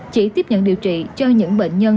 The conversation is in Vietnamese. chỉ tiếp nhận điều trị cho những bệnh nhân